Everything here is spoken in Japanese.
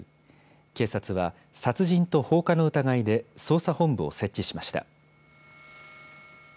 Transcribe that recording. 警察は殺人と放火の疑いで、捜査本部を設置しました。